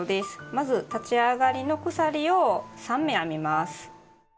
まず立ち上がりの鎖を３目編みます。